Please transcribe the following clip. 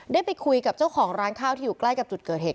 ได้ไปคุยกับเจ้าของร้านข้าวที่อยู่ใกล้กับจุดเกิดเหตุ